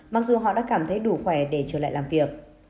mặc dù họ đã cảm thấy đủ khỏe để trở lại làm việc